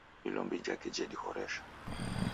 Ilombi jake jedihoresha